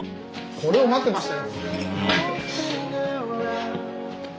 これを待ってましたよ。